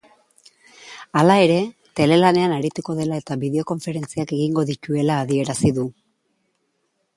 Hala ere, telelanean arituko dela eta bideokonferentziak egingo dituela adierazi du.